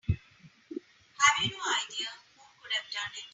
Have you no idea who could have done it?